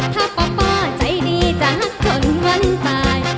ถ้าป้าใจดีจะหักจนวันตาย